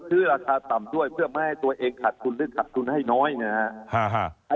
ซื้อราคาต่ำด้วยเพื่อไม่ให้ตัวเองขาดทุนหรือขาดทุนให้น้อยนะครับ